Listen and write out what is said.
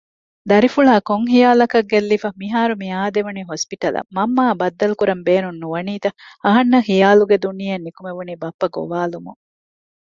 ދަރިފުޅާ ކޮންހިޔާލަކަށް ގެއްލިފަ! މިހާރުމިއާދެވުނީ ހޮސްޕިޓަލަށް މަންމައާއި ބައްދަލުކުރަން ބޭނުންނުވަނީތަ؟ އަހަންނަށް ހިޔާލުގެ ދުނިޔެއިން ނިކުމެވުނީ ބައްޕަ ގޮވާލުމުން